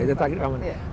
kita tarik keamanan